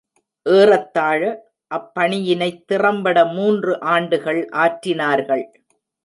ஏறத்தாழ அப்பணியினைத் திறம்பட மூன்று ஆண்டுகள் ஆற்றினார்கள்.